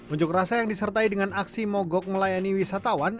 unjuk rasa yang disertai dengan aksi mogok melayani wisatawan